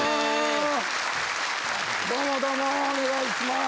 どうもどうもお願いします